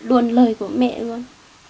em bỏ luôn lời của mẹ luôn